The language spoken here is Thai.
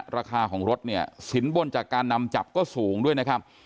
ราคาของรถเนี่ยสินบนจากการนำจับก็สูงด้วยนะครับ